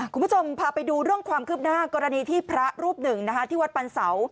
คุณผู้ชมพาไปดูเรื่องความคืบหน้ากรณีที่พระรูปหนึ่งที่วัดปันเสา